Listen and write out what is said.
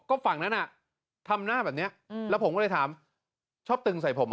ก็ฝั่งนั้นน่ะทำหน้าแบบนี้แล้วผมก็เลยถามชอบตึงใส่ผมเหรอ